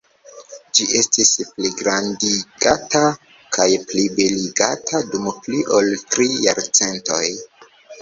Ĝi estis pligrandigata kaj plibeligata dum pli ol tri jarcentoj.